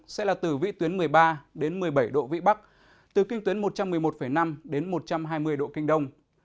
sẽ là từ vị tuyến một mươi ba đến một mươi bảy độ vị bắc từ kinh tuyến một trăm một mươi một năm đến một trăm hai mươi độ kinh đông